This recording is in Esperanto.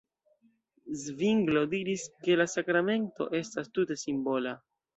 Zvinglo diris, ke la sakramento estas tute simbola.